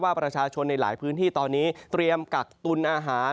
ประชาชนในหลายพื้นที่ตอนนี้เตรียมกักตุลอาหาร